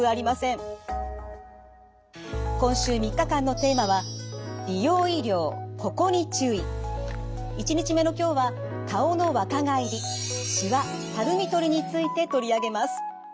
今週３日間のテーマは１日目の今日は顔の若返りしわ・たるみとりについて取り上げます。